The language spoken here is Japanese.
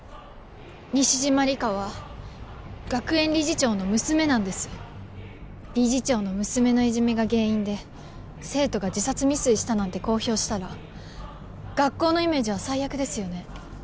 西島里佳は学園理事長の娘なんです理事長の娘のいじめが原因で生徒が自殺未遂したなんて公表したら学校のイメージは最悪ですよね